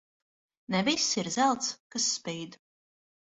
Ne viss ir zelts, kas spīd.